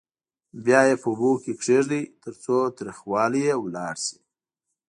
بیا یې په اوبو کې کېږدئ ترڅو تریخوالی یې لاړ شي.